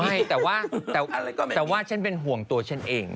ไม่แต่ว่าแต่ว่าฉันเป็นห่วงตัวฉันเอง